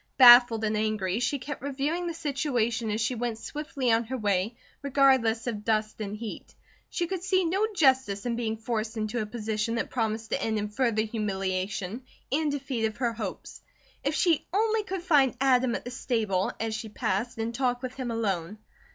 Baffled and angry, she kept reviewing the situation as she went swiftly on her way, regardless of dust and heat. She could see no justice in being forced into a position that promised to end in further humiliation and defeat of her hopes. If she only could find Adam at the stable, as she passed, and talk with him alone!